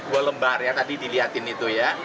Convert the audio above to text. dua lembar yang tadi dilihatin itu ya